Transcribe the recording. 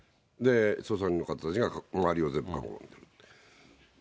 捜査員の方たちが周りを全部囲んで。